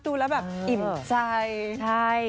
ดูแล้วแบบอิ่มใจใช่